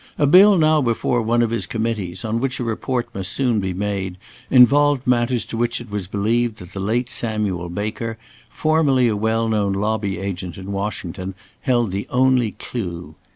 A bill now before one of his Committees, on which a report must soon be made, involved matters to which it was believed that the late Samuel Baker, formerly a well known lobby agent in Washington, held the only clue.